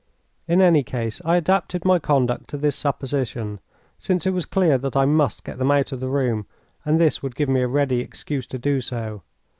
In any case I adapted my conduct to this supposition, since it was clear that I must get them out of the room, and this would give me a ready excuse to do so.